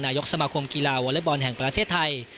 นายกสมาคมกีฬาวอเล็กบอลแห่งประเทศไทย